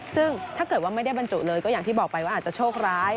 ซึ่งถ้าเกิดว่าไม่ได้บรรจุเลยก็อย่างที่บอกไปว่าอาจจะโชคร้าย